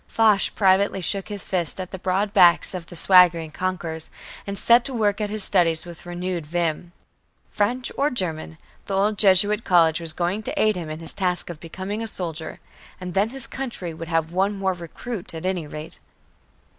Foch privately shook his fist at the broad backs of the swaggering conquerors, and set to work at his studies with renewed vim. French or German, the old Jesuit college was going to aid him in his task of becoming a soldier and then his country would have one more recruit at any rate!